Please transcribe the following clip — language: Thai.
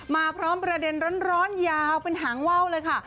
มาพร้อมประเด็นร้อนยาวเป็นหางว่าวเลยค่ะ